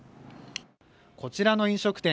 こちらの飲食店